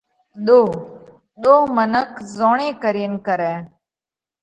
ۮوه: ۮوه منک زوڻي ڪرينَ ڪرئه۔